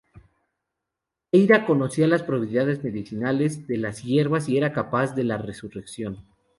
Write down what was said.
Eira conocía las propiedades medicinales de las hierbas y era capaz de la resurrección.